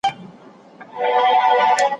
په ربات کي لا ویده دي سل او زر کاروانه تېر سول